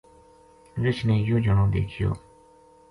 رچھ نے یوہ جنو دیکھیو